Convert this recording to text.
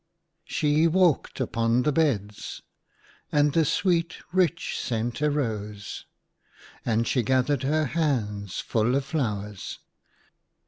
HE wilked upon the beds, and the sweet rich scent arose ; and she gathered her hands full of flowers.